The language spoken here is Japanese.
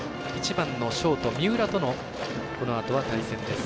１番のショート、三浦とのこのあと対戦です。